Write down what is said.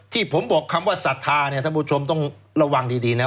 ที่ผมบอกคำว่าศรัทธาเนี่ยท่านผู้ชมต้องระวังดีนะ